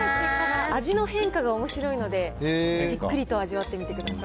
味の変化がおもしろいので、じっくりと味わってみてください。